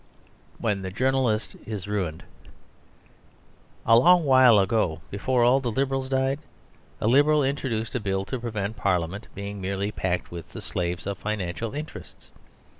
When the Journalist Is Ruined A long while ago, before all the Liberals died, a Liberal introduced a Bill to prevent Parliament being merely packed with the slaves of financial interests.